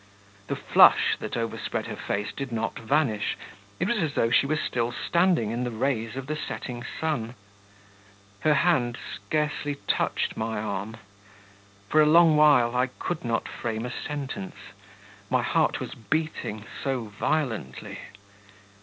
The flush that overspread her face did not vanish; it was as though she were still standing in the rays of the setting sun.... Her hand scarcely touched my arm. For a long while I could not frame a sentence; my heart was beating so violently.